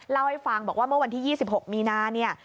เล่าให้ฟังบอกว่าเมื่อวันที่๒๖มีนาเนี่ย